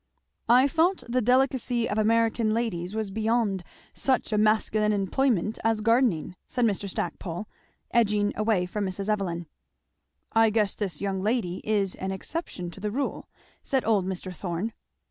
"I thought the delicacy of American ladies was beyond such a masculine employment as gardening," said Mr. Stackpole, edging away from Mrs. Evelyn. "I guess this young lady is an exception to the rule," said old Mr. Thorn.